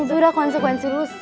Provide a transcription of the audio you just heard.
udah konsekuensi rusak